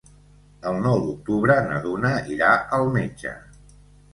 El nou d'octubre na Duna irà al metge.